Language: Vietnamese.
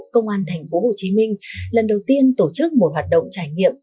công an tp hcm lần đầu tiên tổ chức một hoạt động trải nghiệm